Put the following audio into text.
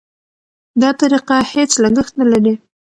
دا طریقه هېڅ لګښت نه لري.